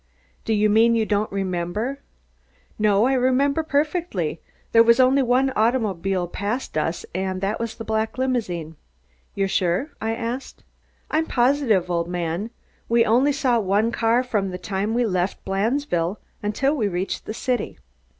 "Do you mean you don't remember?" "No, I remember perfectly. There was only one automobile passed us and that was the black limousine." "You're sure?" I asked. "I'm positive, old man. We only saw one car from the time we left Blandesville, until we reached the city."